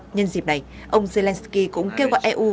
nhân dịp này ông zelensky cũng kêu gọi eu